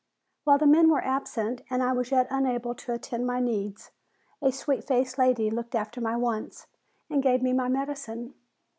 While the men were absent and I was yet unable to attend to my needs, a sweet faced lady looked after my wants and gave me my medicine.